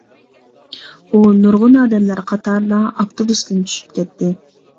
ئۇ نۇرغۇن ئادەملەر قاتارىدا ئاپتوبۇستىن چۈشۈپ كەتتى.